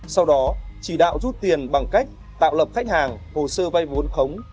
sau đó chỉ đạo rút tiền bằng cách tạo lập khách hàng hồ sơ vay vốn khống